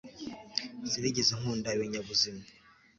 sinigeze nkunda ibinyabuzima